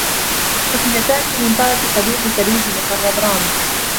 قُتِلَ سامي من طرف صديق فريد المقرّب، رامي.